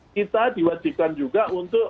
kita diwajibkan juga untuk